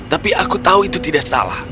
tapi aku tahu itu tidak salah